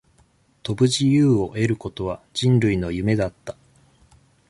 飛ぶ自由を得ることは、人類の夢だった。